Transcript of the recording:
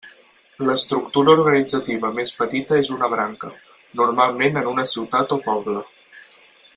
L'estructura organitzativa més petita és una branca, normalment en una ciutat o poble.